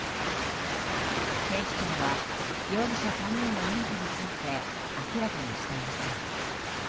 警視庁は容疑者３人の認否について明らかにしていません。